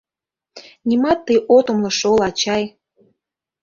Нимат тый от умыло шол, ачай!